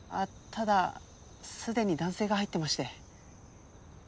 ただすでに男性が入ってまして。